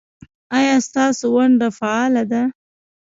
ایا ستاسو ونډه فعاله ده؟